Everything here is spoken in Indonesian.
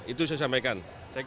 itu saya sampaikan